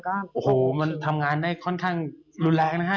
โอ้โหมันทำงานได้ค่อนข้างรุนแรงนะฮะ